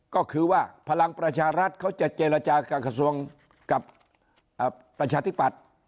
ก็คือว่าพลังประชารัฐเขาจะเจรจากับกระทรวงกับประชาธิปัตย์